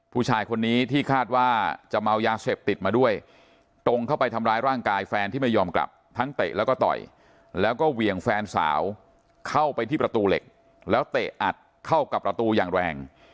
ผู้ชายคนนี้ที่คาดว่าจะเมายาเสพติดมาด้วยตรงเข้าไปทำร้ายร่างกายแฟนที่ไม่ยอมกลับทั้งเตะแล้วก็ต่อยแล้วก็เหวี่ยงแฟนสาวเข้าไปที่ประตูเหล็กแล้วเตะอัดเข้ากับประตูอย่างแรง